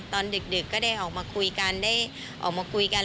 ดึกก็ได้ออกมาคุยกันได้ออกมาคุยกัน